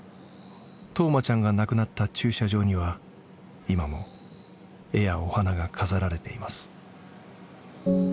冬生ちゃんが亡くなった駐車場には今も絵やお花が飾られています。